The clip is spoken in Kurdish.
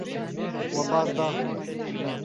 We baz da.